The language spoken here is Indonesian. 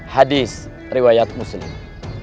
hadis riwayat muslim